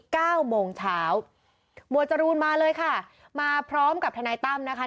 เก้าโมงเช้าหมวดจรูนมาเลยค่ะมาพร้อมกับทนายตั้มนะคะ